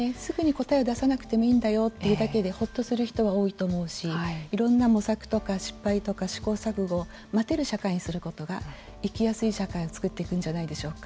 すぐに答えを出さなくでいいんだよと言うだけでほっとする方も多いしいろんな模索とか失敗とか試行錯誤を待てる社会にすることが生きやすい社会を作っていくんじゃないでしょうか。